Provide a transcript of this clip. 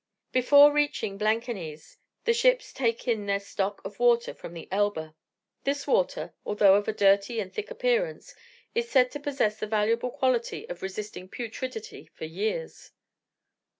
Before reaching Blankenese the ships take in their stock of water from the Elbe. This water, although of a dirty and thick appearance, is said to possess the valuable quality of resisting putridity for years.